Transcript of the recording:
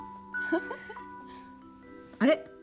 あれ？